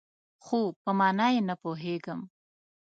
خو، په مانا یې نه پوهیږم